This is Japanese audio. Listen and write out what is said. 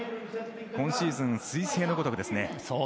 今シーズン、彗星のごとくですね。